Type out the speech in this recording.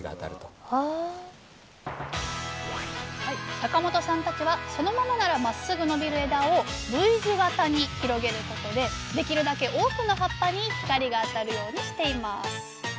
坂本さんたちはそのままならまっすぐ伸びる枝をＶ字型に広げることでできるだけ多くの葉っぱに光が当たるようにしています。